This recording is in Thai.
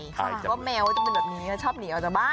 ว่าแมวจะมีแบบนี้ที่ความสนินในแบบหลีกไปก็ไปมา